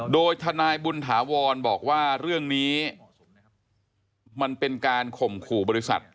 โดยทนายบุญถาวรบอกว่าเรื่องนี้มันเป็นการข่มขู่บริษัท